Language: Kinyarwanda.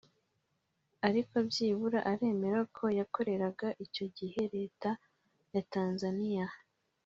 ariko byibura uremera ko yakoreraga icyo gihe leta ya Tanzaniya